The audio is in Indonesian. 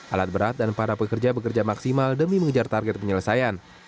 alat berat dan para pekerja bekerja maksimal demi mengejar target penyelesaian